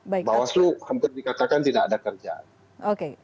bawaslu hampir dikatakan tidak ada kerjaan